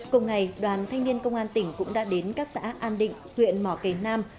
cùng ngày đoàn thanh niên công an tỉnh cũng đã đến các xã an định huyện mỏ cầy nam